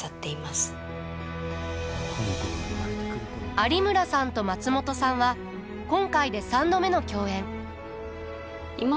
有村さんと松本さんは今回で３度目の共演。